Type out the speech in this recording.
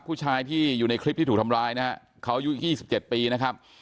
ผู้ชายที่อยู่ในคลิปที่ถูกทำร้ายนะฮะเขาอายุ๒๗ปีนะครับ